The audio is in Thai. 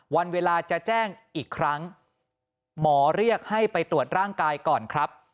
วันเวลาจะแจ้งอีกครั้งหมอเรียกให้ไปตรวจร่างกายก่อนครับ